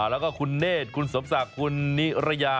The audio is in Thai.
แล้วก็คุณเนธคุณสมศักดิ์คุณนิรยา